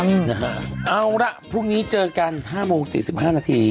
นะฮะเอาละพรุ่งนี้เจอกันห้าโมงสี่สิบห้านาที